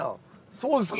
そうですか？